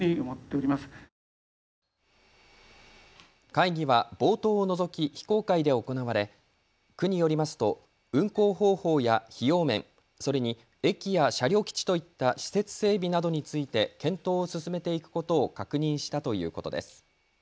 会議は冒頭を除き非公開で行われ区によりますと運行方法や費用面、それに駅や車両基地といった施設整備などについて検討を進めていくことを確認したということです。